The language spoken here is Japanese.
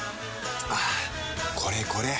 はぁこれこれ！